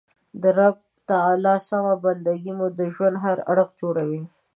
د رب تعالی سمه بنده ګي مو د ژوند هر اړخ جوړوي.